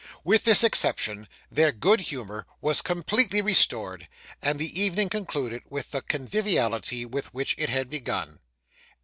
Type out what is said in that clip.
With this exception, their good humour was completely restored; and the evening concluded with the conviviality with which it had begun.